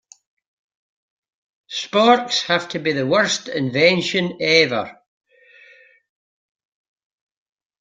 Sporks have to be the worst invention ever.